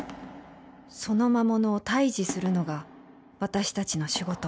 その魔物を退治するのが私たちの仕事。